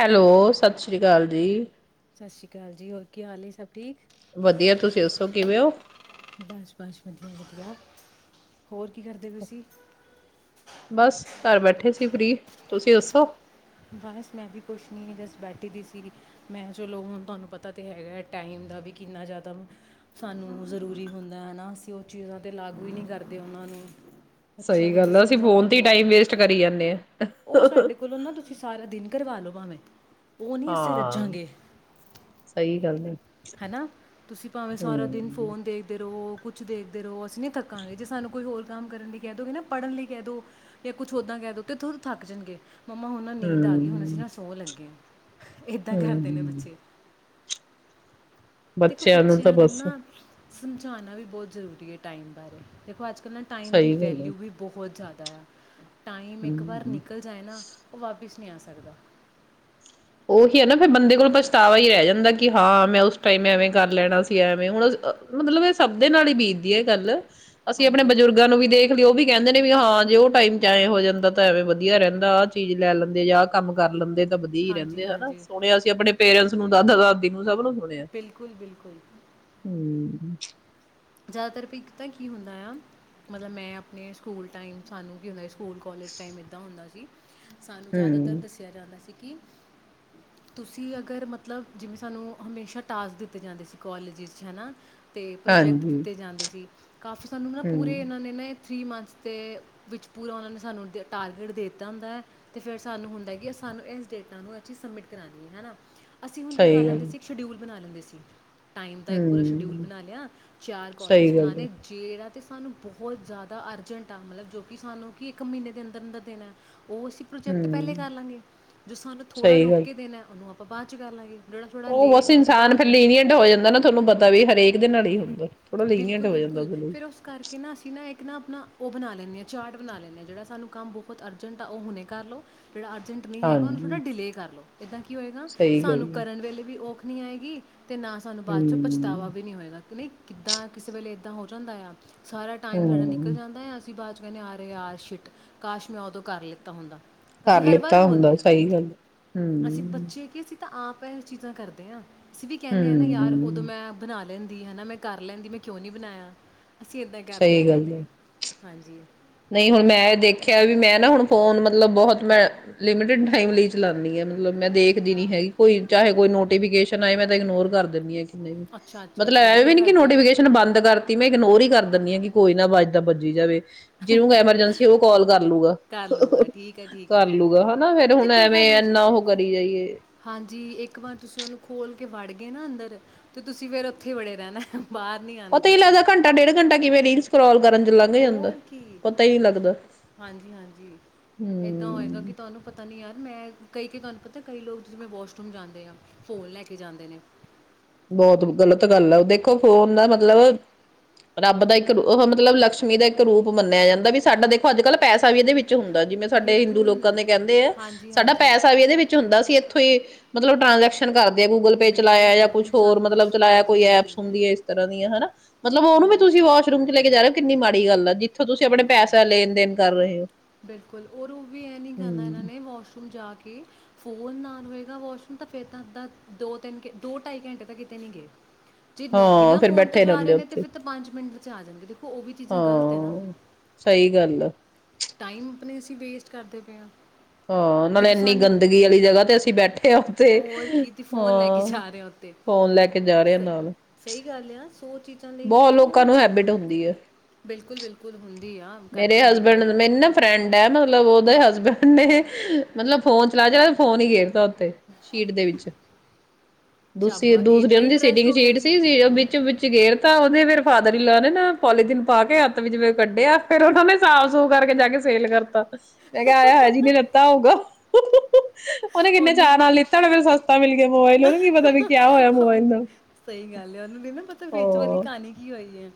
Hello ਸਤਿ ਸ਼੍ਰੀ ਸਤਿ ਸ਼੍ਰੀ ਅਕਾਲ ਜੀ ਸਤਿ ਸ਼੍ਰੀ ਅਕਾਲ ਜੀ ਹੋਰ ਕੀ ਹਾਲ ਸਭ ਠੀਕ ਵਧੀਆ ਤੁਸੀਂ ਦੱਸੋ ਕਿਵੇਂ ਹੋ ਬਸ ਵਾਸ ਵਧਿਆ ਵਧਆ ਹੋਰ ਕੀ ਕਰਦੇ ਤੁਸੀਂ ਬਸ ਘਰ ਬੈਠੇ ਸੀ ਫਰੀ ਤੁਸੀਂ ਦੱਸੋ ਬਸ ਮੈਂ ਵੀ ਕੁਛ ਨਹੀਂ ਬਸ ਬੈਠੀ ਦੀ ਸੀ ਮੈਂ ਚਲੋ ਹੁਣ ਤੁਹਾਨੂੰ ਪਤਾ ਤਾਂ ਹੈਗਾ ਟਾਈਮ ਦਾ ਵੀ ਕਿੰਨਾ ਜ਼ਿਆਦਾ ਸਾਨੂੰ ਜ਼ਰੂਰੀ ਹੁੰਦਾ ਹੈ ਨਾ ਅਸੀਂ ਉਹ ਚੀਜ਼ਾਂ ਤਾਂ ਲਾਗੂ ਹੀ ਨਹੀਂ ਕਰਦੇ ਉਹਨਾਂ ਨੂੰ। ਬੱਚਿਆਂ ਸਹੀ ਨੂੰ ਵੀ ਗੱਲ ਆ ਅਸੀਂ ਸਮਝਾਉਣਾ ਫੋਨ ਤੇ ਹੀ ਬਹੁਤ ਟਾਈਮ ਵੇਸਟ ਕਰੀ ਜਾਂਦੇ ਹਾਂ ਉਹ ਹ-ਹ-ਹ। ਸਾਡੇ ਕੋਲੋਂ ਨਾ ਤੁਸੀਂ ਸਾਰਾ ਦਿਨ ਕਰਵਾ ਲੋੋ ਭਾਵੇਂ। ਉਹ ਨਹੀਂ ਅਸੀਂ ਹਾਂ ਰੱਜਾਂਗੇ ਸਹੀ ਗੱਲ ਐ ਹਨਾ ਤੁਸੀਂ ਭਾਵੇਂ ਸਾਰਾ ਦਿਨ ਫੋਨ ਦੇਖਦੇ ਰਹੋ। ਕੁਛ ਦੇਖਦੇ ਰਹੋ ਅਸੀਂ ਨਹੀਂ ਥੱਕਾਂਗੇ ਜੇ ਸਾਨੂੰ ਕੋਈ ਹੋਰ ਕੰਮ ਕਰਨ ਲਈ ਕਹਿ ਦੋਗੇ ਨਾ ਪੜ੍ਹਨ ਲਈ ਕਹਿ ਦੋ ਜਾਂ ਕੁਛ ਓਦਾਂ ਕਹਿ ਦੋ ਤਾ ਥੋਰ ਥੱਕ ਜਾਣਗੇ। ਮੰਮਾ ਹੁਣ ਨਾ ਨੀਂਦ ਆ ਗਈ ਹੁਣ ਅਸੀਂ ਹਮ ਨਾ ਸੋਹਣ ਲੱਗੇ ਏਦਾਂ ਕਰਦੇ ਨੇ ਹਮ ਬੱਚੇ। ਦੇਖੋ ਬੱਚਿਆਂ ਨੂੰ ਨਾ ਸਮਝਾਉਣਾ ਵੀ ਬਹੁਤ ਜ਼ਰੂਰੀ ਹੈ ਟਾਈਮ ਬਾਰੇ ਦੇਖੋ ਅੱਜ ਇਕ ਨਾ ਟਾਈਮ ਦੀ ਸਹੀ ਗੱਲ ਹੈ ਵੈਲਿਊ ਵੀ ਬਹੁਤ ਜ਼ਿਆਦਾ। ਆ। ਟਾਈਮ ਇੱਕ ਵਾਰ ਹਮ ਨਿਕਲ ਜਾਏ ਨਾ ਉਹ ਵਾਪਿਸ ਨਹੀਂ ਆ ਸਕਦਾ। ਉਹੀ ਹੈ ਨਾ ਫਿਰ ਬੰਦੇ ਕੋਲ ਪਛਤਾਵਾ ਹੀ ਰਹਿ ਜਾਂਦਾ ਕਿ ਹਾਂ ਮੈਂ ਉਸ ਟਾਈਮ ਐਵੇਂ ਕਰ ਲੈਣਾ ਸੀ ਐਵੇਂ ਹੁਣ ਮਤਲਬ ਇਹ ਸਭ ਦੇ ਨਾਲ ਹੀ ਬੀਤਦੀ ਹੈ ਇਹ ਗੱਲ। ਅਸੀਂ ਆਪਣੇ ਹਾਂਜੀ, ਬਜ਼ੁਰਗਾਂ ਨੂੰ ਵੀ ਦੇਖ ਲਿ ਉਹ ਵੀ ਕਹਿੰਦੇ ਨੇ ਵੀ ਹਾਂ ਜੇ ਉਹ ਟਾਈਮ ਚ ਐਵੇਂ ਹੋ ਜਾਂਦਾ ਤਾਂ ਐਵੇਂ ਵਧੀਆ ਰਹਿੰਦਾ ਚੀਜ਼ ਲੈ ਲੈਂਦੇ ਆ ਕੰਮ ਕਰ ਲੈਂਦੇ। ਤਬਦੀ ਰਹਿੰ ਹਾਂਜੀ, ਤੇ ਹਨਾ ਹਾਂਜੀ। ਸੁਣਿਆ ਸੀ ਆਪਣੇ ਪੇਰੈਂਟਸ ਨੂੰ ਦਾਦਾ ਦਾਦੀ ਨੂੰ ਸਭ ਨੂੰ ਸੁੋਣੇ ਆ ਬਿਲਕੁਲ, ਬਿਲਕੁਲ। ਹਮ ਹਮ ਜ਼ਿਆਦਾਤਰ ਇੱਕ ਤਾਂ ਕੀ ਹੁੰਦਾ ਆ ਮਤਲਬ ਮੈਂ ਆਪਣੇ ਸਕੂਲ ਟਾਈਮ ਸਾਨੂੰ ਕੀ ਹੁੰਦਾ ਸਕੂਲ ਕਾਲਜ ਟਾਈਮ ਇਦਾਂ ਹੁੰਦਾ ਸੀ। ਜੀ ਸਾਨੂੰ ਜ਼ਿਆਦਾਤਰ ਹਮ ਦੱਸਿਆ ਜਾਂਦਾ ਸੀ। ਕਿ ਤੁਸੀਂ ਅਗਰ ਮਤਲਬ ਜਿਵੇਂ ਸਾਨੂੰ ਹਮੇਸ਼ਾ ਟਾਸ ਦਿੱਤੇ ਜਾਂਦੇ ਸੀ ਕਾਲੇਜ ਵਿੱਚ ਹੇਨਾ। ਅਤੇ ਹਾਂਜੀ ਪ੍ਰੋਜੈਕਟ ਜਾਂਦੇ ਸੀ। ਕਾਫੀ ਸਾਨੂੰ ਨਾ ਪੂਰੇ ਹਮ ਇਹਨਾਂ ਨੇ ਨਾ ਥ੍ਰੀ ਮੰਥਸ ਦੇ ਵਿੱਚ ਪੂਰਾ ਉਹਨਾਂ ਨੇ ਸਾਨੂੰ ਟਾਰਗੇਟ ਦੇ ਦਿੱਤਾ ਹੁੰਦਾ ਹੈ ਅਤੇ ਫਿਰ ਸਾਨੂੰ ਹੁੰਦਾ ਕਿ ਸਾਨੂੰ ਇਸ ਡੇਟਾ ਨੂੰ ਅਸੀਂ ਸਬਮਿਟ ਕਰਾਉਣੀ ਹੈ ਨਾ। ਅਸੀਂ ਹੁਣ ਕੀ ਕਰ ਸਹੀ ਗੱਲ ਲੈਂਦੇ ਸੀ ਇਕ ਸ਼ਡਊਲ। ਬਣਾ ਲੈਂਦੇ ਸੀ। ਟਾਈਮ ਦਾ ਇੱਕ ਪੂਰਾ ਸ਼ਡਿਊਲ ਹਮ ਬਣਾ ਲਿਆ। ਚਾਰ ਕੋਲਮਸ ਸਹੀ ਗੱਲ ਜੇ ਿਹ ਤੇ ਸਾਨੂੰ ਬਹੁਤ ਜ਼ਿਆਦਾ ਅਰਜੈਂਟ ਆ ਮਤਲਬ ਜੋ ਕਿ ਸਾਨੂੰ ਕਿ ਇੱਕ ਮਹੀਨੇ ਦੇ ਅੰਦਰ ਦਾ ਦਿਨ ਹੈ ਉਹ ਅਸੀਂ ਪ੍ਰੋਜੈਕਟ ਪਹਿਲੇਾਂ ਹਮ ਕਰ ਲਾਂਗੇ ਜੋ ਸਾਨੂੰ ਥੋੜ੍ਹਾ ਸਹੀ ਰੋਕ ਗੱਲ ਕੇ ਦੇਣਾ ਉਹਨੂੰ ਆਪ ਆਪਾਂ ਬਾਅਦ 'ਚ ਕਰ ਲਾਂਗੇ ਜਿਹੜਾ ਥੋੜਾ ਉਹ ਬਸ ਲੇਟ ਹੈ ਜਿਹਦਾ ਇਨਸਾਨ ਹਜੇ ਫਿਰਲੀਨੀਅਡਾ ਹੋ ਜਾਂਦਾ ਨਾ ਤੁਹਾਨੂੰ ਪਤਾ ਵੀ ਹਰੇਕ ਦੇ ਨਾਲ ਹੀ ਹੁੰਦਾ ਥੋੜਾ ਲੀਨੀਅੰਟ ਬਿਲਕੁਲ ਹੋ ਜਾਂਦਾ ਬਿਲਕੁਲ ਉਹਦੇ ਲਈ ਫੇਿਰ ਉਸ ਕਰਕੇ ਨਾ ਅਸੀਂ ਨਾ ਇੱਕ ਨਾ ਆਪਣਾ ਉਹ ਬਣਾ ਲੈਂਦੇ ਹਾਂ ਚਾਰਟ ਬਣਾ ਲੈਂਦੇ ਹਾਂ ਜਿਹੜਾ ਸਾਨੂੰ ਕੰਮ ਬਹੁਤ ਅਰਜੈਂਟ ਆ ਉਹ ਹੁਣੇ ਕਰ ਲਓ ਜਿਹੜਾ ਅਰਜੈਂਟ ਨਹੀਂ ਹੈਗਾ ਉਹਨੂੰ ਥੋੜ੍ਹਾ ਹਾਂਜੀ ਡਿਲੇਅ ਕਰ ਲਉ ਇੱਦਾਂ ਕੀ ਹੋਏਗਾ ਸਹੀ ਗੱਲ ਸਾਨੂੰ ਹੈ ਕਰਨ ਵੇਲੇ ਵੀ ਉਹ ਨਹੀਂ ਹੈਗੀ ਅਤੇ ਨਾ ਸਾਨੂੰ ਬਾਅਦ 'ਚੋਂ ਪਛਤਾਵਾ ਹਮ ਵੀ ਨਹੀਂ ਹੋਏਗਾ ਕਿ ਨਹੀਂ ਕਿੱਦਾਂ ਕਿਸੇ ਵੇਲੇ ਇੱਦਾਂ ਹੋ ਜਾਂਦਾ ਆ ਸਾਰਾ ਟਾਈਮ ਸਾਡਾ ਨਿਕਲ ਹਮ ਜਾਂਦਾ ਹੈ ਅਸੀਂ ਬਾਦ ਕਹਿੰਦੇ ਆ ਰ ਆ ਸ਼ਿਟ ਕਾਸ਼ ਮੈਂ ਉਦੋਂ ਕਰ ਲਿੱਤਾ ਹੁੰਦਾ ਅਸੀਂ ਕਰ ਹਰ ਵਾਰ ਲਿੱਤਾ ਹੁੰਦਾ ਬੋਲਦੇ ਹਾਂ ਸਹੀ ਗੱਲ ਅਸੀਂ ਹਮ ਬੱਚੇ ਕੀ ਅਸੀਂ ਤਾਂ ਆਪ ਇਹ ਚੀਜ਼ਾਂ ਕਰਦੇ ਆਾਂ ਅਸੀਂ ਵੀ ਕਹਿੰਦੇ ਹਾਂ ਨਾ ਯਾਰ ਉਦੋਂ ਹਮ ਮੈਂ ਬਣਾ ਲੈਂਦੀ ਹਨਾ ਮੈਂ ਕਰ ਲੈਂਦੀ ਮੈਂ ਕਿਉਂ ਨੀ ਬਣਾਇਆ ਅਸੀਂ ਏਦਾਂ ਹੀ ਕਰ ਸਹੀ ਲੈਦੇ ਹੁੰਦੇ ਗੱਲ ਹੈ ਹਾਂ ਹਾਂਜੀ ਨਹੀਂ ਹੁਣ ਮੈਂ ਦੇਖਿਆ ਵੀ ਮੈਂ ਨਾ ਹੁਣ ਫੋ ਮਤਲਬ ਬਹੁਤ ਮੈਂ ਲਿਮਟ ਟਮ ਲਈ ਚਲਾਦੀ ਆ ਮਤਲਬ ਮੈਂ ਦੇਖਦੀ ਨੀ ਹੈਗੀ ਕੋਈ ਚਾਹੇ ਕੋਈ ਨੋ ਮੈਂ ਤਾਂ ਇਗਨੋਰ ਕਰ ਦਿੰਦੀ ਹਾਂ ਕਿ ਅੱਛਾ ਅੱਛਾ ਮਤਲਬ ਚਲੋ ਐ ਵੀ ਵਧੀਆ ਨੀ ਕਿ ਕਰਦੇ ਹੋ ਨੋਟੀਫਿਕੇਸ਼ਨ ਬੰਦ ਕਰਤੀ ਮੈਂ ਇਗਨੋਰ ਹੀ ਕਰ ਦਿੰਦੀ ਆਾਂ ਕਿ ਕੋਈ ਨਾੱਜਦਾੱ ੀ ਜਾਵੇ ਜਿਹਨੂੰ ਐਮਰਜੈਂਸੀ ਉਹ ਕਾਲ ਕਰ ਲੂਗਾ ਕਰ ਲੂਗਾ ਠੀਕ ਹੈ ਠੀਕ ਕਰ ਹੈ ਲੂਗਾ ਹਨਾ ਫੇਿਰ ਪਤਾ ਹੁਣ ਕੀ ਐਵੇਂ ਗੱਲ ਹੋ ਜਾ ਇਨਾ ਉਹ ਕਰੀ ਜਾਈਏ ਹਾਂਜੀ ਇੱਕ ਵਾਰ ਤੁਸੀਂ ਉਹਨੂੰ ਖੋਲ ਕੇ ਵੜ ਗਏ ਨਾ ਅੰਦਰ ਤੇ ਤੁਸੀਂ ਫੇਰ ਉੱਥੇ ਵੜੇ ਰਹਿਣਾ ਬਾਹਰ ਨਹੀਂ ਉਹ ਆਣਾ ਤਾਂ ਹੀ ਤੁਸੀਂ ਲੱਦਾ ਘੰਾ ਡੇਢ ਘੰਟਾ ਕਿਵੇਂ ਰ ਰੋਲ ਹੋਰ ਕੀ ਹਾਂਜੀ ਹਾਂਜੀ ਏਦਾਂ ਹੋਏਗਾ ਹਮ ਕਿ ਤੁਹਾਨੂੰ ਪਤਾ ਨੀ ਯਾਰ ਮੈਂ ਕਈ ਕ ਤੁਹਾਨੂੰ ਪਤਾ ਕਈ ਲੋਕ ਜਿਵੇਵੇਂ ਵਾਸ਼ਰੂਮ ਜਾਂਦੇ ਆ ਫੋਨ ਲੈ ਕੇ ਜਾਂਦੇ ਨੇ ਬਹੁਤ ਗਲਤ ਗੱਲ ਹੈ ਦੇਖੋ ਫੋਨ ਦਾ ਮਤਲਬ ਰੱਬ ਦਾ ਇੱਕ ਮਤਲਬ ਲਕਸ਼ਮੀ ਦਾ ਇੱਕ ਰੂਪ ਮੰਨਿਆ ਜਾਂਦਾ ਵੀ ਸਾਡਾ ਦੇਖੋ ਅੱਜ ਕੱਲ੍ਹ ਪੈਸਾ ਵੀ ਇਹਦੇ ਵਿੱਚ ਹੁੰਦਾ ਜਿਵੇਂ ਸਾਡੇ ਹਿੰਦੂ ਬਿਲਕੁਲ ਲੋਕਾਂ ਦੇ ਕਹਿੰਦੇ ਆ ਹਾਂਜੀ ਸਾਡਾ ਹਾਂਜੀ ਪੈਸਾ ਵੀ ਇਹਦੇ ਵਿੱਚ ਹੁੰਦਾ ਅਸੀਂ ਇੱਥੋਂ ਹੀ ਮਤਲਬ ਟਰਾਂਜੈਕਸ਼ਨ ਕਰਦਾ ਗੂਗਲ ਪੇ ਬਿਲਕੁਲ ਚਲਾਇਆ ਜਾਂ ਕੁਛ ਬਿਲਕੁਲ ਸਭ ਹੋਰ ਕੁਝ ਮਤਲਬ ਚਲਾਇਆ ਹਾਂਜੀ ਕੋਈ ਹਾਂਜੀ ਐਪਸ ਹੁੰਦੀ ਹੈ ਇਸ ਤਰ੍ਹਾਂ ਦੀਆਂ ਹਨਾ ਮਤਲਬ ਉਹਨੂੰ ਵੀ ਹਾਂ ਤੁਸੀਂ ਵਾਸ਼ਰੂਮ ਚ ਲੈ ਕੇ ਜਾ ਰਹੇ ਕਿੰਨੀ ਮਾੜੀ ਗੱਲ ਹੈ ਜੀ। ਬਿਲਕੁਲ ਬਿਲਕੁਲ ਔਰ ਇਹ ਵੀ ਨਹੀਂ ਕਰਨਾ ਇਹਨਾਂ ਹਮ ਨੇ ਵਾਸ਼ਰੂਮ ਜਾ ਕੇ ਓ ਫੋਨ ਆਨ ਹੋਏਗਾ ਵਾਸ਼ਰੂਮ ਤਾਂ ਫਿਰ ਤਾਂ ਇੱਦਾਂ ਦੋ ਤਿੰਨ ਦੋ ਢਾਈ ਘੰਟੇ ਤਾਂ ਕਿਤੇ ਨਹੀਂ ਗਏ। ਜੇ ਨੋ ਹਾਂ ਬਿਨਾ ਫਿਰ ਫੋਨ ਤੋਂ ਬੈਠੇ ਜਾ ਰਹਿੰਦੇ ਰਹੇ ਨੇ ਤੇ ਉੱਥੇ ਫਿਰ ਤਾਂ ਪੰਜ ਮਿੰਟ ਵਿੱਚ ਆ ਜਾਣਗੇ ਦੇਖੋ ਉਹ ਵੀ ਚੀਜ਼ਾਂ ਗ਼ਲਤ ਹੈ ਨਾ। ਹਾਂ ਸਹੀ ਗੱਲ ਹੈ। ਟਾਈਮ ਆਪਣੇ ਅਸੀਂ ਵੇਸਟ ਕਰਦੇ ਪਏ ਹਾਂ। ਹਾਂ ਨਾਲੇ ਇੰਨੀ ਗੰਦਗੀ ਵਾਲੀ ਜਗ੍ਹਾ ਤੇ ਅਸੀਂ ਬੈਠੇ ਹਾਂ ਉੱਥੇ ਹੋਰ ਕੀ ਤੁ ਫੋਨ ਲੈ ਕੇ ਹਾਂ ਜਾ ਰਹੇ ਆ ਉੱਥੇ ਫੋਨ ਲੈ ਕੇ ਜਾ ਰਿਹਾ ਸ ਨਾਲ ਸਹੀ ਗੱਲ ਆ ਸੋ ਚੀਜ਼ਾਂ ਲਈ ਬਹੁਤ ਲੋਕਾਂ ਚਲੋ ਨੂੰ ਹੈਬਿਟ ਹੁੰਦੀ ਹੈ ਬਿਲਕੁਲ ਬਿਲਕੁਲ ਹੁੰ ਮੇਰੇ ਹਸਬੈਂਡ ਮੇਰੀੂੰ ਨਾ ਫਰੈਂਡ ਹੈ ਮਤਲਬ ਉਹ ਦੇ ਹਸਬੈਂਡ ਨੇ ਮਤਲਬ ਫੋਨ ਚਲਾ ਚ ਤੇ ਫੋਨ ਹੀ ਗੇਰਤਾ ਸ਼ੀਟ ਦੇ ਵਿੱਚ ਦੂਸੀ ਸ਼ਾਬਾ ਦੂਸਰੀ ਇੰਨਾ ਉਹਨਾਂ ਦੀ ਇੰਟਰਸਟ ਸੀਟਿੰਗ ਹੋ ਗਿਆ ਸ਼ੀਟ ਸੀ ਵਿੱਚ ਵਿੱਚ ਗੇਰ ਤਾਂ ਉਹਦੇ ਫਿਰ ਫਾਦਰ ਹੀ ਲੈ ਨੇ ਨਾ ਪੋਲੀਥਨ ਪਾ ਕੇ ਹੱਤ ਵਿੱਚਵੇ ਕੱਢਿਆ ਫਿਰ ਉਹਨਾਂ ਨੇ ਸਾਫ਼ ਸੂਫ਼ ਕਰਕੇ ਜਾ ਕੇ ਸੇਲ ਕਰਤਾ। ਮੈਂ ਕਿਹਾ ਆਏ ਹਾਏ ਕਿਵੇਂ ਲੱਤਾਂ ਹੋਊਗਾ। ਉਹਨੇ ਕਿੰਨੇ ਉਹਨੂੰ ਚਾਅ ਨਾਲ ਲਿੱਤਾ ਫੇਿਰ ਸਸਤਾ ਮਿਲ ਗਿਆ ਮੋਬਾਇਲ ਉਹਨੂੰ ਕੀ ਪਤਾ ਵੀ ਕਿਆ ਹੋਇਆ ਹਾਂ, ਮੋਬਾਇਲ ਨੂੰ। ਸਹੀ ਗੱਲ ਹੈ ਉਹਨੂੰ ਨਹੀਂ ਨਾ ਪਤਾ ਵਿੱਚ ਵਾਲੀ ਕਹਾਣੀ ਕੀ ਹੋਈ ਹੈ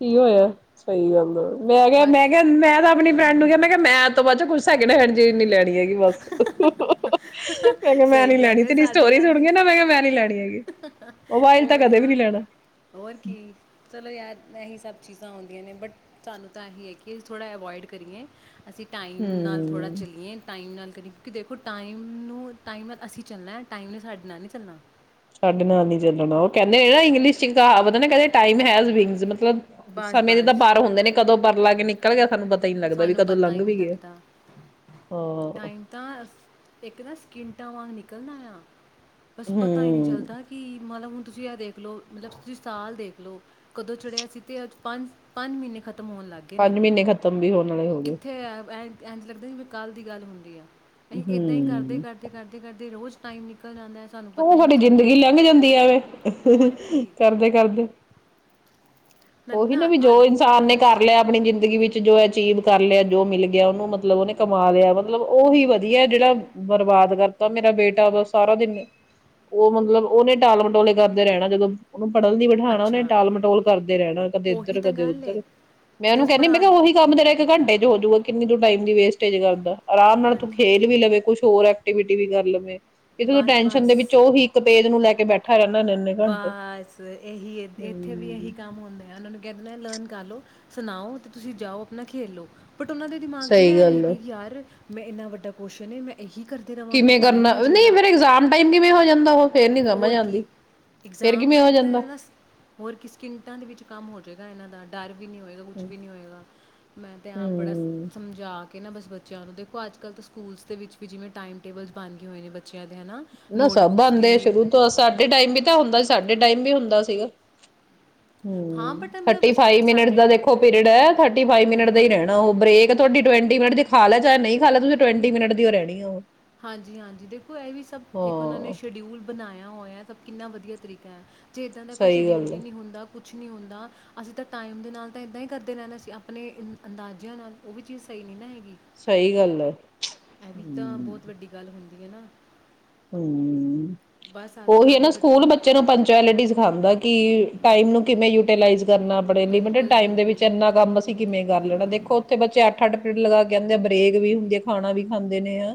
ਕੀ ਹੋਇਆ ਸਹੀ ਗੱਲ। ਮੈਂ ਕਿਹਾ ਬਸ ਮੈਂ ਕਿਹਾ ਮੈਂ ਤਾਂ ਆਪਣੀ ਫਰੈਂਡ ਨੂੰ ਕਹਿੰ ਮੈਂ ਕਿਹਾ ਮੈਂ ਤੋਂ ਬਾਅਦ ਚ ਕੁਛ [inaudible] ਗੀ ਬਸ ਮੈਂ ਕਿਹਾ ਮੈਂ ਨੀ ਸਹੀ ਗੱਲ ਲੈਣੀ ਹੈ ਤੇਰੀ ਸਾਡੇ ਸਟੋਰੀ ਨਾਲ ਸੁਣ ਹੀ ਗ ਨਾ ਮੈਂ ਕਿਹਾ ਮੈਂ ਨੀ ਲੈਣੀ ਹੈਗੀ ਮੋਬਾਈਲ ਉਹ ਤਾਂ ਕਦੇ ਵੀ ਵਧੀਆ ਨੀ ਲੈਣਾ। ਹੋਰ ਕੀ ਚਲੋ ਯਾਰ ਇਹੀ ਸਭ ਚੀਜ਼ਾਂ ਆਉਂਦੀਆਂ ਨੇ ਬਟ ਸਾਨੂੰ ਤਾਂ ਇਹੀ ਹੈ ਕਿ ਅਸੀਂ ਥੋੜ੍ਹਾ ਅਵੋਇਡ ਕਰੀਏ। ਅਸੀਂ ਟਾਈਮ ਨਾਲ ਥੋੜ੍ਹਾ ਹਮ ਚਲੀਏ। ਕਿਉ ਦੇਖੋਮ ਟਮ ਨਾਲ ਅਸੀਂ ਚੱਲਣਾ ਟਾਈਮ ਸਾਡੇ ਨਾਲ ਨਹੀਂ ਚੱਲਣਾ। ਸਾਡੇ ਨਾਲ ਨੀ ਚੱਲਣਾ ਉਹ ਕਹਿੰਦੇ ਇੰਗਲਿਸ਼ ਚ ਕਹਾਵਤ ਹੈ ਨਾ ਟਾਈਮ ਹੈਸ ਵਿੰਗਸ ਮਤਲਬ ਬਸ ਸਮੇਂ ਦੇ ਤਾਂ ਬਸ ਪਰ ਹੁੰਦੇ ਨੇ ਕਦੋਂ ਪਰ ਲਾ ਕੇ ਨ ਨਲ ਗਿਆ ਸਾਨੂੰ ਹੀ ਨੀ ਲੱਗਦਾ ਵੀ ਸਾਨੂੰ ਕਦੋਂ ਪਤਾ ਹੀ ਲੰਘ ਨਹੀਂ ਵੀ ਗਿਆ। ਲੱਗਦਾ ਹਾਂ ਟਾਈਮ ਤਾਂ ਇੱਕ ਨਾ ਸਕਿੰਟਾਂ ਵਾਂਗ ਨ ਨਿਕਲਦਾ ਆਾਂ। ਬਸ ਪਤਾ ਹੀ ਨਹੀਂ ਹਮ ਚੱਲਦਾ ਕਿ ਮਤਲਬ ਹੁਣ ਤੁਸੀਂ ਇਹ ਦੇਖ ਲਓ ਮਤਲਬ ਤੁਸੀਂ ਸਾਲ ਦੇਖ ਲਓ ਕਦੋਂ ਚੜ੍ਹਿਆ ਸੀ ਅਤੇ ਅੱਜ ਪੰਜ ਪੰਜ ਮਹੀਨੇ ਖਤਮ ਹੋਣ ਲੱਗ ਗਏ ਨੇ ਪੰਜ ਮਹੀਨੇ ਖ਼ਤਮ ਵੀ ਹੋ ਨਾਲੇ ਹੋ ਗਏ। ਐ ਏਂਝ ਲੱਗਦਾ ਜਿਵੇਂ ਕੱਲ੍ਹ ਦੀ ਗੱਲ ਹੁੰਦੀ ਏ। ਅਹੀ ਏਦਾ ਹੀ ਕਰਦੇ, ਹਮ। ਕਰਦੇ, ਕਰਦੇ, ਕਰਦੇ ਰੋਜ਼ ਟਾਈਮ ਨਿਕਲ ਜਾਂਦਾ ਹੈ ਸਾਨੂੰ ਪਤਾ ਉਹ ਹੀ ਨਹੀਂ ਸਾਡੀ ਚੱਲਦਾ ਜ਼ਿੰਦਗੀ ਲੰਘ ਜਾਂਦੀ ਆਵੇ, ਹੋਰ ਕੀ ਕਰਦੇ, ਕਰਦੇ। ਉਹੀ ਨਾ ਵੀ ਜੋ ਇਨਸਾਨ ਨੇ ਕਰ ਲਿਆ ਆਪਣੀ ਜ਼ਿੰਦਗੀ ਵਿੱਚ ਜੋ ਅਚੀਵ ਕਰ ਲਿਆ, ਜੋ ਮਿਲ ਗਿਆ, ਉਹਨੂੰ ਮਤਲਬ ਓਹਨੇ ਕਮਾ ਲਿਆ। ਮਤਲਬ ਉਹ ਹੀ ਵਧੀਆਏ ਜਿਹੜਾ ਬਰਬਾਦ ਕਰਤਾ ਮੇਰਾ ਬੇਟਾ ਬੱਸ ਸਾਰਾ ਦਿਨ ਉਹ ਮਤਲਬ ਉਹਨੇ ਟਾਲ ਮਟੋਲੇ ਕਰਦੇ ਰਹਿਨਾ ਜਦੋਂ ਉਹਨ ਪੜਲ ਨਹੀਂ ਬਿਠਾਣਾ ਉਹਨੇ ਅੱਛਾ ਟਾਲ ਮਟੋਲ ਕਰ [unintelligible] ਕਦੇ ਉਹੀ ਇੱਧਰ ਤਾਂ ਕਦੇ ਗੱਲ ਹੈ ਉੱਧਰ ਮੈਂ ਉਹਨੂੰ ਦਸ ਕਹਿੰਦੀ ਮੈਂ ਕਿਹਾ ਪੜਾਨ ਉਹੀ ਕੰਮ ਤੇਰਾ ਇੱਕ ਘੰਟੇ ਚ ਹੋਜੂਗਾ ਕਿੰਨੀ ਤੁ ਟਾਈਮ ਦੀ ਵੇਸਟੇਜ ਕਰਦਾ। ਆਰਾਮ ਨਾਲ ਤੂੰ ਹਾਂਜੀ ਖੇਲ ਵੀ ਲਵੇ ਕੁਛ ਹੋਰ ਐਕਟੀਵਿਟੀ ਵੀ ਕਰ ਲਵੇ। ਤੇ ਤੁੂੰ ਬਸ ਟੈਸ਼ਨ ਬਸ ਦੇ ਵਿੱਚ ਉਹੀ ਇੱਕ ਪੇਜ ਨੂੰ ਲੈ ਕੇ ਬੈਠਾ ਰਹਿੰਦਾ ਇੰਨੇ ਘੰਟੇ ਬਸ, ਏਹੀ ਇੱਥੇ ਵੀ ਏਹੀ ਹਮ ਕੰਮ ਹੁੰਦੇ ਮੈ ਉਹਨਾਂ ਨੂੰ ਕਹਿ ਦੇਣਾ ਲਰਨ ਕਰ ਲੋ ਸੁਣਾਓ ਤੇ ਤੁਸੀਂ ਜਾਓ ਆਪਨਾ ਖੇਲੋ ਬਟ ਉਹਨਾਂ ਦੇ ਦਿਮਾਗ ਚ ਸਹੀ ਨਾ ਗੱਲ ਹੈ ਰੇਗੀ ਕਿ ਯਾਰ ਮੈਂ ਇੰਨਾ ਵੱਡਾ ਕੋਸ਼ਨ ਏ, ਮੈਂ ਇਹੀ ਕਰਦੇ ਰਵਾਂਗਾ ਕਿਵੇਂ ਟਾਈਮ ਕਰਨਾ, ਹੋ ਨਹੀਂ ਜਾਏਗਾ ਫੇਰ ਐਗਜਾਮ ਟਾਈਮ ਕਿਵੇਂ ਹੋ ਜਾਂਦਾ ਉਹ? ਫੇਰ ਨੀ ਸਮਝ ਹੋਰ ਆਉਂਦੀ ਕੀ, ਫੇਰ ਇਗਜ਼ਾਮ ਕਿਵੇਂ ਹੋ ਟਾਈਮ ਤਾਂ ਜਾਂਦਾ [unintelligible] ਹੋਰ ਕੀ ਸਕਿੰਟਾਂ ਦੇ ਵਿੱਚ ਕੰਮ ਹੋ ਜਾਏਗਾ ਇਹਨਾਂ ਦਾ ਡਰ ਵੀ ਨਹੀ ਹੋਏਗਾ, ਕੁਛ ਵੀ ਨੀ ਹੋਏਗਾ, ਮੈਂ ਤੇ ਆਪ ਬੜਾ ਹਮ ਸਮਝਾ ਕੇ ਨਾ ਬਸ ਬੱਚਿਆਂ ਨੂੰ। ਦੇਖੋ ਅੱਜ ਕੱਲ੍ਹ ਤਾਂ ਸਕੂਲਸ ਦੇ ਵਿੱਚ ਵੀ ਜਿਵੇਂ ਟਾਈਮ ਟੇਬਲਸ ਬਨ ਗਏ ਹੋਏ ਨੇ ਬੱਚਿਆਂ ਹੇਨਾ, ਨੋਟਬੁੱਕਸ ਦੀ ਤ ਸਾਡੇ ਟਾਈਮ ਵੀ ਤਾਂ ਹੁੰਦਾ ਸੀ, ਸਾਡੇ ਟਾਈਮ ਵੀ ਹੁੰਦਾ ਸੀਗਾ। ਹਾਂ ਹੁੰ, ਬਟ ਮਤਲਬ ਥਟੀ ਸ- ਆਹ ਫਾਈਵ ਮਿੰਟ ਸਾਡੇ ਦਾ ਦੇਖੋ ਪੀਰੀਅਡਅ ਥਟੀ ਫਾਈਵ ਮਿੰਟ ਦਾ ਈ ਬਿਲਕੁਲ ਰੇਣਾ ਉਹ ਬ੍ਰੇਕ ਤੁਹਾਡੀ ਟਵੈਂਟੀ ਮਿੰਟ ਖਾ ਲੈ ਚਾਹੇ ਨਈ ਖਾ ਲੈ ਤੁਸੀਂ ਟਵੇਂਟੀ ਮਿਨਟ ਦੀ ਉ ਰੇਣੀ ਓ। ਹਾਂਜੀ, ਹਾਂਜੀ ਦੇਖੋ ਇਹ ਵੀ ਸਭ ਇੱਕ ਉਹਨਾਂ ਨੇ ਹਾਂ ਸ਼ਡਿਊਲ ਬਣਾਇਆ ਨਾ ਹੋਇਆ ਸਭ ਕਿੰਨਾ ਵਧੀਆ ਤਰੀਕਾ ਏ। ਜੇ ਇੱਦਾਂ ਦਾ ਕੋਈ ਸਹੀ ਸ਼ਡਿਊਲ ਗੱਲ ਈ ਹੈ ਨੀ ਹੁੰਦਾ। ਕੁਛ ਨਹੀਂ ਹੁੰਦਾ, ਅਸੀਂ ਤਾਂ ਟਾਈਮ ਦੇ ਨਾਲ ਤਾਂ ਇੱਦਾਂ ਈ ਕਰਦੇ ਰੇਨਾ ਸੀ। ਆਪਣੇ ਅੰਦਾਜ਼ਿਆਂ ਨਾਲ ਉਹ ਵੀ ਚੀਜ਼ ਸਹੀ ਨਈ ਨਾ ਹੈਗੀ ਸਹੀ ਗੱਲ ਏ। ਇਹ ਵੀ ਤਾਂ ਬਹੁਤ ਵੱਡੀ ਗੱਲ ਹੁੰਦੀ ਹੈ ਨਾ ਹਮ ਬਸ ਉਹੀ ਹੈ ਅੱਜ-ਕੱਲ੍ਹ ਦੇ ਨਾ ਸਕੂਲ ਬੱਚਿਆਂ ਬੱਚੇ ਨੂੰ ਪੰਚੁਲਿਟੀ ਸਿਖਾਉਂਦਾ ਕਿ ਟਾਈਮ ਨੂੰ ਕਿਵੇਂ ਯੂਟੀਲਾਈਜ਼ ਕਰਨਾ ਆਪਣੇ ਲਿਮਿਟਿਡ ਬਿਲਕੁਲ, ਟਾਈਮ ਦੇ ਵਿੱਚ ਬਿਲਕੁਲ। ਇੰਨਾ ਕੰਮ ਅਸੀਂ ਕਿਵੇਂ ਕਰ ਲੈਣਾ ਦੇਖੋ ਉੱਥੇ ਬੱਚੇ ਅੱਠ ਅੱਠ ਲਗਾ ਕੇ ਆਹਦੇ ਆ ਬਰੇਕ ਵੀ ਹੁੰਦੀ ਆ ਖਾਣਾ ਵੀ ਖਾਂਦੇ ਨੇ ਆ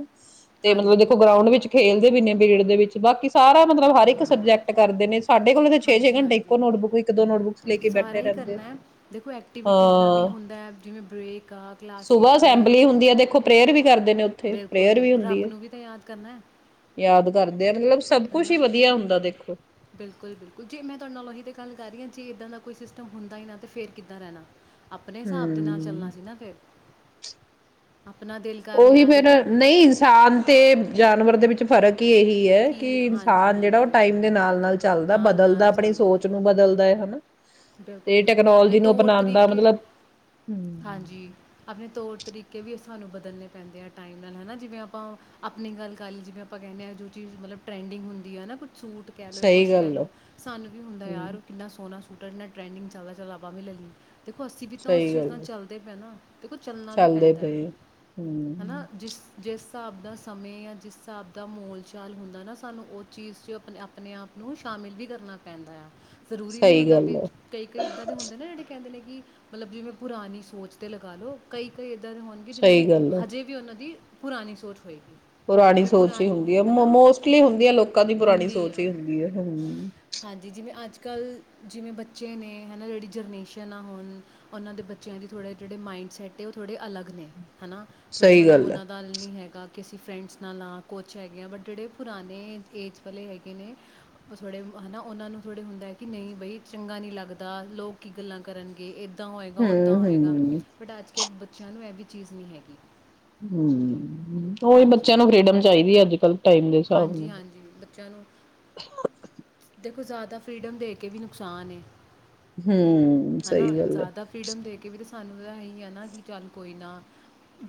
ਤੇ ਮਤਲਬ ਹਾਂਜੀ, ਦੇਖੋ ਗਰਾਊਂਡ ਵਿੱਚ ਪੀਅ ਦੇ ਵਿੱਚ ਬਾਕੀ ਸਾਰਾ ਮਤਲਬ ਹਰ ਇੱਕ ਸਬਜੈਕ ਕਰਦੇ ਨੇ ਸਾਡੇ ਕੋਲ ਤਾਂ ਛੇ-ਛੇ ਹਾਂਜੀ ਘੰਟੇ ਹਾਂਜੀ ਇੱਕੋ ਨੋਟਬੁੱਕ ਇੱਕ ਦੋ ਨੋਟਬੁੱਕਸ ਲੈ ਕੇ ਸਾਰਾ ਬੈਠੇ ਹੀ ਰਹਿੰਦੇ ਕਰਨਾ ਦੇਖੋ ਐਕਟੀਵਿਟੀਜ਼ ਦਾ ਵੀ ਹਾਂ ਹੁੰਦਾ ਜਿਵੇਂ ਬ੍ਰੇਕ ਆ ਸੁਬਾਹ ਕਲਾਸਿਸ ਨੇ ਅਸੈਂਬਲੀ ਹੁੰਦੀ ਆ ਦੇਖੋ ਪ੍ਰੇਅਰ ਵੀ ਕਰਦੇ ਨੇ ਉੱਥੇ ਬਿਲਕੁਲ ਪ੍ਰੇਅਰ ਵੀ ਬਿਲਕੁਲ ਹੁੰਦੀ ਰੱਬ ਹੈ ਨੂੰ ਵੀ ਤਾਂ ਯਾਦ ਕਰਨਾ ਯਾਦ ਕਰ ਹਨਾ ਬਿਲਕੁਲ ਬਿਲਕੁਲ ਜੀ ਮੈਂ ਤੁਹਾਡੇ ਨਾਲ ਉਹੀ ਤੇ ਗੱਲ ਕਰ ਰਹੀ ਹਾਂ ਜੀ ਇੱਦਾਂ ਦਾ ਕੋਈ ਸਿਸਟਮ ਹੁੰਦਾ ਹੀ ਨਾ ਤਾਂ ਫਿਰ ਕਿੱਦਾਂ ਰਹਿਣਾ ਆਪਣੇ ਹਿਸਾਬ ਦੇ ਨਾਲ ਚੱਲਣਾ ਹੂੰ ਸੀ ਨਾ ਫਿਰ ਆਪਣਾ ਦਿਲ ਕਰ ਉਹੀ ਲਿਆ ਦੇਖੋ ਫੇਿਰ ਨਹੀਂ ਇਨਸਾਨ ਤੇ ਜਾਨਵਰ ਦੇ ਵਿੱਚ ਫ਼ਰਕ ਕੀ ਇਹੀ ਹੈ ਕਿ ਹਾਂਜੀ, ਇਨਸਾਨ ਜਿਹੜਾ ਉਹ ਹਾਂਜੀ ਟਾਈਮ ਦੇ ਨਾਲ ਨਾਲ ਚੱਲਦਾ ਨਾਲ-ਨਾਲ ਬਦਲਦਾ ਆਪਣੀ ਚੱਲਦਾ। ਹੈ। ਸੋਚ ਨੂੰ ਬਦਲਦਾ ਹੈ ਹਨਾ ਬਿਲਕੁਲ ਤੇ ਬਿਲਕੁਲ ਆਪਣੇ ਟੈਕਨੋਲੋਜੀ ਨੂੰ ਤੌਰ ਅਪਣਾਉਂਦਾ ਤਰੀਕੇ ਮਤਲਬ ਹਾਂਜੀ ਹਮ ਆਪਣੇ ਤੌਰ ਤਰੀਕੇ ਵੀ ਸਾਨੂੰ ਬਦਲਣੇ ਪੈਂਦੇ ਆ ਟਾਈਮ ਨਾਲ ਹੈ ਨਾ ਜਿਵੇਂ ਆਪਾਂ ਆਪਣੀ ਗੱਲ ਕਰ ਲਈਏ ਜਿਵੇਂ ਆਪਾਂ ਕਹਿੰਦੇ ਹਾਂ ਜੋ ਚੀਜ਼ ਮਤਲਬ ਟਰੈਂਡਿੰਗ ਹੁੰਦੀ ਆ ਨਾ ਕੁ ਸੂਟ ਕਹਿ ਲਓ ਸਹੀ ਕੁਛ ਕਹਿ ਗੱਲ ਆ ਲਉ ਸਾਨੂੰ ਵੀ ਹੁੰਦਾ ਹਮ ਯਾਰ ਕਿੰਨਾ ਸੋਹਣਾ ਨਾਲ ਟੇੈਂਡਿੰਗ ਚਾਲਦਾ ਚਲਾਭਵੇ ਲ ਲਈ ਦੇਖੋ ਅਸੀਂ ਵੀ ਤਾਂ ਉਸ ਸਹੀ ਗੱਲ ਚੀਜ਼ ਨਾਲ ਆ ਚੱਲਦੇ ਪਏ ਨਾ ਦੇਖੋ ਚੱਲਣਾ ਵੀ ਚੱਲਦੇ ਪੈਂਦਾ ਹੈ ਪਏ ਆ। ਹੈ ਨਾ ਹਮ ਜਿਸ ਜਿਸ ਹਿਸਾਬ ਦਾ ਸਮੇਂ ਜਾਂ ਜਿਸ ਹਿਸਾਬ ਦਾ ਮੋਲ ਚਾਲ ਹੁੰਦਾ ਨਾ ਸਾਨੂੰ ਉਹ ਚੀਜ਼ 'ਚ ਆਪਣੇ ਆਪਣੇ ਆਪ ਨੂੰ ਸ਼ਾਮਿਲ ਵੀ ਕਰਨਾ ਪੈਂਦਾ ਆ ਜ਼ਰੂਰੀ ਨਹੀਂੀ ਸਹੀ ਹੁੰਦਾ ਗੱਲ ਆ ਕਈ ਕਈ ਇੱਦਾਂ ਦੇ ਹੁੰਦੇ ਨਾ ਜਿਹੜੇ ਕਹਿੰਦੇ ਨੇ ਕਿ ਮਤਲਬ ਜਿਵੇਂ ਪੁਰਾਣੀ ਸੋਚ ਤੇ ਲਗਾਾਲ ਲੋ ਕਈ ਕਈ ੱਧਰ ਹੋਣਗੇ ਜਿਨ੍ਹਾਂ ਨੇ ਸਹੀ ਗੱਲ ਆ ਹਜੇ ਵੀ ਉਹਨਾਂ ਦੀ ਪੁਰਾਣੀ ਸੋਚ ਹੋਏਗੀ ਪੁਰਾਣੀ ਜਿਵੇਂ ਸੋਚ ਹੀ ਪੁਰਾਣੀ ਹੁੰਦੀ ਹੈ ਨਾ ਮੋਸਟਲੀ ਹੁੰਦੀ ਹੈ ਲੋਕਾਂ ਦੀ ਪੁਰਾਣੀ ਹੁੰਦੀ ਸੋਚ ਹੀ ਆ ਹੁੰਦੀ ਹੈ ਹਮ ਹਾਂਜੀ ਜਿਵੇਂ ਅੱਜ ਕੱਲ੍ਹ ਜਿਵੇਂ ਬੱਚੇ ਨੇ ਹੈ ਨਾ ਜਿਹੜੀ ਜਨੇਸ਼ਨ ਆ ਹੁਣ ਉਹਨਾਂ ਦੇ ਬੱਚਿਆਂ ਦੀ ਥੋੜ੍ਹੇ ਜਿਹੜੇ ਮਾਈੰਡਸੈੱਟ ਹੈ ਉਹ ਥੋੜ੍ਹੇ ਅਲੱਗ ਨੇ ਹਨਾ ਥੋੜੇ ਸਹੀ ਮਤਲਬ ਗੱਲ ਹੈ ਉਹਨਾਂ ਦਾ ਨੀ ਹੈਗਾ ਕਿ ਅਸੀਂ ਫਰੈਂਡਸ ਨਾਲ ਹਾਂ ਕੋਚ ਹੈਗੇ ਹਾਂ ਬਟ ਜਿਹੜੇ ਪੁਰਾਣੇ ਏਜ ਵਾਲੇ ਹੈਗੇ ਨੇ ਉਹ ਥੋੜ੍ਹੇ ਹੈ ਨਾ ਉਹਨਾਂ ਨੂੰ ਥੋੜ੍ਹੇ ਹੁੰਦਾ ਹੈ ਕਿ ਨਹੀਂ ਬਈ ਚੰਗਾ ਨਹੀਂ ਲੱਗਦਾ ਲੋਕ ਕੀ ਗੱਲਾਂ ਕਰਨਗੇ ਇਹ ੱਦਾਂ ਹੋਏਗਾ ੱਦਾਂ ਹਮ ਹੋਏਗਾ ਹਮ ਬਟ ਅੱਜ ਕ ਬੱਚਿਆਂ ਨੂੰ ਇਹ ਵੀ ਚੀਜ਼ ਨਹੀਂ ਹੈਗੀ ਹਮ ਉਹੀ ਬੱਚਿਆਂ ਹਾਂਜੀ ਨੂੰ ਫੀਡਮ ਚਾਹੀਦੀ ਹੈ ਅੱਜ ਕੱਲ ਟਾਈਮ ਦੇ ਹਿਸਾਬ ਹਾਂਜੀ ਹਾਂਜੀ ਬੱਚਿਆਂ ਨੂੰ ਨਾਲ ਦੇਖੋ ਜ਼ਿਆਦਾ ਫਰੀਡਮ ਦੇ ਕੇ ਵੀਨੂੰ ਨੁਕਸਾਨ ਹਮ ਹੈ ਨਾ ਸਹੀ ਗੱਲ ਹੈ ਜ਼ਿਆਦਾ ਦੇ ਕੇ ਵੀ ਤਾਂ ਸਾਨੂੰ ਤਾਂ ਇਹੀ ਹੈ ਨਾ ਕਿ ਚੱਲ ਕੋਈ ਨਾ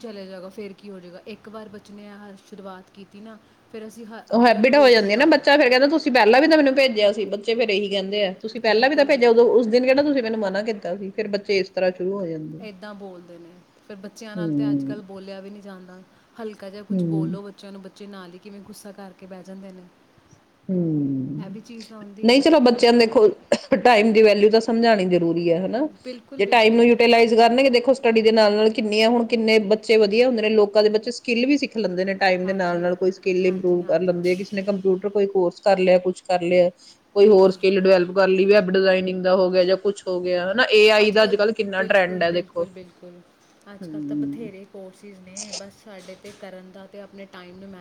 ਚਲੇ ਜਾਗਾ ਫਿਰ ਕੀ ਹੋ ਜਾਵੇਗਾ ਇੱਕ ਵਾਰ ਬੱਚੇ ਨੇ ਸ਼ੁਰੂਆਤ ਕੀਤੀ ਨਾ ਫਿਰ ਅਸੀਂ ਹ ਉਹ ਅੱਗੇ ਹੈਬਿਟ ਉਹਨੂੰ ਹੋ ਰੋਕ ਨਹੀਂ ਜਾਂਦੀਆਂ ਨਾ ਪਾਂਗੇ ਬੱਚਾ ਫੇਿਰ ਕਹਿੰ ਤੁਸੀਂਹਿਾਂ ਵੀ ਤਾਂ ਮੈਨੂੰ ਭੇਜਿਆ ਸੀ ੱਚੇਿਰ ਇਹੀ ਕਹਿੰਦੇ ਆ ਤੁਸੀਂ ਪਹਿਲਾਂ ਵੀ ਤਾਂ ਬਿਲਕੁਲ ਭੇਜ ਉਦ ਬਿਲਕੁਲ ਉਸ ਦਿਨ ਕਿਹੜਾ ਤੁਸੀਂ ਮੈਨੂੰ ਮਨਾ ਕੀਤਾ ਸੀ ਫੇਰ ਬੱਚੇ ਇਸ ਤਰ੍ਹਾਂ ਸ਼ੁਰੂ ਹੋ ਜਾਂਦੇ ਏਦਾਂ ਬੋਲਦੇ ਨੇ ਫ ਬੱਚਿਆਂ ਨਾਲ ਤੇ ਅੱਜ ਹਮ ਕੱਲ੍ਹ ਬੋਲਿਆ ਵੀ ਨਹੀਂੀ ਜਾਂਦਾ ਹਲਕਾ ਜਿਹਾ ਕੁਛ ਹਮ ਬੋਲੋ ਬੱਚਿਆਂ ਨੂੰ ਜੇ ਨਾਲ ਹੀ ਕਿਵੇਂ ਗੁੱਸਾ ਕਰਕੇ ਬਹਿ ਜਾਂਦੇ ਨੇ ਇਹ ਹਮ ਵੀ ਚੀਜ਼ ਤਾਂ ਹੁੰਦੀ ਨਹੀਂ ਹੈ ਚਲੋ ਬੱਚਿਆਂ ਦੇਖੋ ਟਾਈਮ ਦੀ ਵੈਲਿਊ ਤਾਂ ਸਮਝਾਉਣੀ ਜ਼ਰੂਰੀ ਹਨਾ ਬਿਲਕੁਲ ਜੇ ਟਾਈਮ ਨੂੰ ਬਿਲਕੁਲ ਯੂਟੀਲਾਈਜ਼ ਕਰਨਗੇ ਦੇਖੋ ਸਟੱਡੀ ਦੇ ਨਾਲ ਨਾਲ ਕਿੰਨੀਆਂ ਆ ਹੁਣ ਕਿੰਨੇ ਬੱਚੇ ਵਧੀਆ ਹੁੰਦੇ ਨੇ ਲੋਕਾਂ ਦੇ ਬੱਚੇ ਸਕਿੱਲ ਵੀ ਲੈਂਦੇ ਨੇ ਟਾਈਮ ਦੇ ਹਾਂਜੀ ਨਾਲ ਕੋਈ ਸਕਿੱਲ ਹਾਂਜੀ ਇੰਪਰੂਵ ਕਰ ਹਾਂਜੀ ਲੈਂਦੇ ਹੈ ਕਿਸੇ ਨੇ ਕੰਪਿਊਟਰ ਕੁਛ ਕਰ ਲਿਆ ਕੁੱਛ ਕਰ ਲਿਆ ਕੋਈ ਹੋਰ ਬਿਲਕੁਲ ਸਕਿੱਲ ਡਿਵੈਲਪ ਕਰ ਲਈ ਵੀ ਡਿਜ਼ਾਇਨਿੰਗ ਦਾ ਹੋ ਗਿਆ ਜਾਂ ਕੁਛ ਹੋ ਗਿਆ ਹਨਾ ਏ ਆਈ ਅੱਜ ਦਾ ਕੱਲ ਕੱਲ੍ਹ ਕਿੰਨਾ ਟਰੈਂਡ ਬਿਲਕੁਲ ਹੈ ਦੇਖੋ ਬਿਲਕੁਲ ਬਿਲਕੁਲ ਅੱਜ ਕੱਲ ਤਾਂ ਹੂੰ। ਬਥੇਰੇ ਕੋਰਸਿਸ ਨੇ ਬਸ ਸਾਡੇ ਕਰਨ ਦਾ ਅਤੇ ਆਪਣੇ ਟਾਈਮ ਨੂੰ ਮ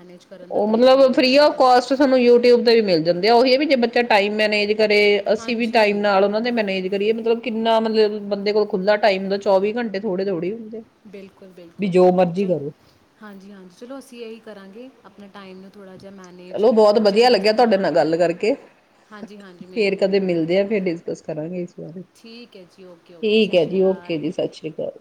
ਉਹ ਮਤਲਬ ਫਰੀ ਆਫ ਕਸਟ ਸਾਨੂੰ ਯੂਟਿਊਬ ਤੇ ਵੀ ਮਿਲ ਜਾਂਦੇ ਆ ਉਹੀ ਹੈ ਵੀ ਜੇ ਬੱਚਾ ਟਾਈਮ ਮੈੇਜ ਕਰੇ ਅਸੀਂ ਵੀ ਟਾਈਮ ਹਾਂਜੀ ਨਾਲ ਉਹਨਾਂ ਦੇ ਮੈਨੇਜ ਕਰੀਏ ਮਤਲਬ ਕਿੰਨਾ ਮਤਲਬ ਬੰਦੇ ਕੋਲ ਖੁੱਲ੍ਹਾ ਟਾਈਮੁੰਦਾ ਚੌਵੀ ਘੰਟੇ ਥੋੜੀ ਥੋੜੀ ਬਿਲਕੁਲ ਬਿਲਕੁਲ ਚਲ ਹਾਂਜੀ ਹਾਂਜੀ ਚਲੋ ਅਸੀਂ ਇਹੀ ਕਰਾਂਗੇ ਆਪਣਾ ਟਾਈਮ ਨੂੰ ਥੋੜਾ ਚਲੋ ਬਹੁਤ ਵਧੀਆ ਲੱਗਿਆ ਤੁਹਾਡੇ ਨਾਲ ਗੱਲ ਕਰਕੇ ਹਾਂਜੀ ਹਾਂਜੀ ਫੇਰ ਮੈਨੂੰ ਵੀ ਕਦੇ ਮੈਨੂੰ ਵੀ ਮਿਲਦੇ ਆ ਫਿਰ ਡਿਸਕਸ ਕਰਾਂਗੇ ਇਸ ਬਾਰੇ ਠੀਕ ਹੈ ਜੀ ਓਕੇ ਓਕੇ ਠੀਕ ਸਤਿ ਹੈ ਸ਼੍ਰੀ ਜੀ ਓਕੇ ਅਕਾਲ ਜੀ ਸਤਿ ਸ੍ਰੀ ਅਕਾਲ [unintelligible]